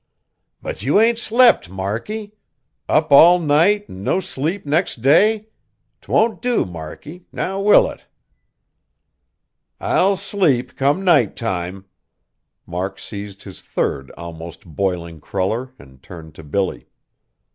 "But you ain't slept, Markie. Up all night an' no sleep nex' day! 'T won't do, Markie, now will it?" "I'll sleep, come night time." Mark seized his third almost boiling cruller and turned to Billy.